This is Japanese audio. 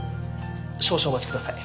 少々お待ちください。